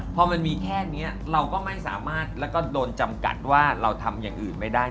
พอมันมีแค่นี้เราก็ไม่สามารถแล้วก็โดนจำกัดว่าเราทำอย่างอื่นไม่ได้